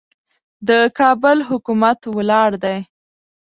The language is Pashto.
د کابل حکومت ولاړ دی.